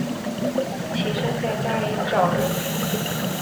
起身在家里找人